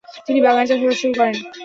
তিনি বাগানে চাষাবাদ শুরু করেন।